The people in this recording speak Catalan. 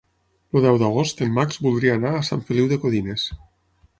El deu d'agost en Max voldria anar a Sant Feliu de Codines.